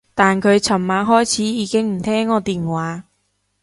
但佢噚晚開始已經唔聽我電話